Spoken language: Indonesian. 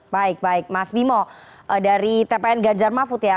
baik baik mas bimo dari tpn ganjar mahfud ya